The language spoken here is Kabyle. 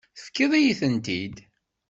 Tefkiḍ-iyi-tent-id.